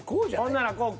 ほんならこうか。